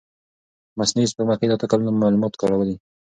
مصنوعي سپوږمکۍ د اته کلونو معلومات کارولي.